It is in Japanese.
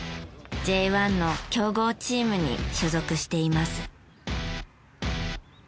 Ｊ１の強豪チームに所属しています。